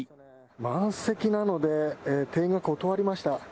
満席なので、店員が断りました。